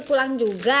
ikut pulang juga